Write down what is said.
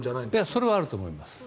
それはあると思います。